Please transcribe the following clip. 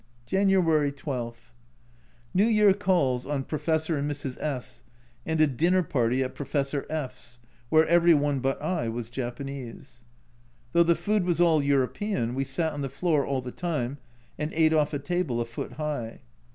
January 12. New Year calls on Professor and Mrs. S , and a dinner party at Professor F V, where every one but I was Japanese. Though the food was all European, we sat on the floor all the time and ate off a table a foot high.